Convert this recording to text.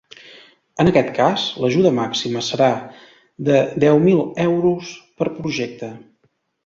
En aquest cas, l’ajuda màxima serà de deu mil euros per projecte.